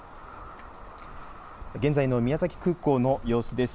現在の宮崎空港の様子です。